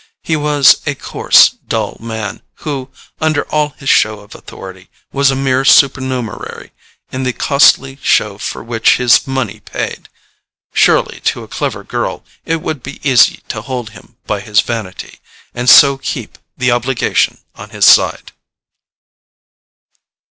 He was a coarse dull man who, under all his show of authority, was a mere supernumerary in the costly show for which his money paid: surely, to a clever girl, it would be easy to hold him by his vanity, and so keep the obligation on his side.